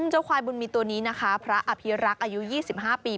เจ้าควายบุญมีตัวนี้นะคะพระอภิรักษ์อายุ๒๕ปี